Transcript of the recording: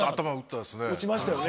打ちましたよね。